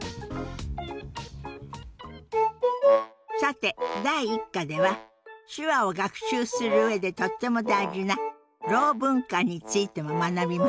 さて第１課では手話を学習する上でとっても大事なろう文化についても学びましたね。